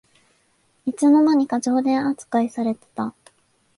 いつの間にか常連あつかいされてた